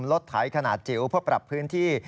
รถไถขนาดจิ๋วเพื่อปรับพื้นที่